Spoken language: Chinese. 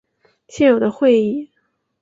现有的议会。